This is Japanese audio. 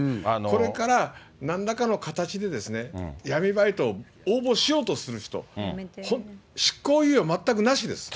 これからなんらかの形で闇バイトを応募しようとする人、本当、執行猶予全くなしです。